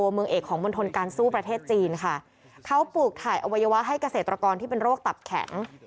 เมืองเอกของมณฑลการสู้ประเทศจีนค่ะเขาปลูกถ่ายอวัยวะให้เกษตรกรที่เป็นโรคตับแข็ง